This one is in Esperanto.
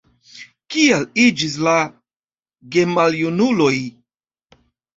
Kiaj iĝis la gemaljunuloj?